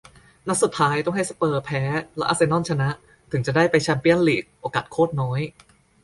นัดสุดท้ายต้องให้สเปอร์สแพ้ แล้วอาร์เซนอลชนะ ถึงจะได้ไปแชมเปียนส์ลีก โอกาสโคตรน้อย